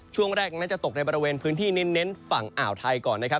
ช่วงแรกนั้นจะตกในบริเวณพื้นที่เน้นฝั่งอ่าวไทยก่อนนะครับ